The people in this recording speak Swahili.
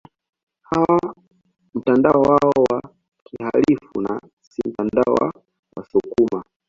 Hawa mtandao wao wa kihalifu na si mtandao wa wasukuma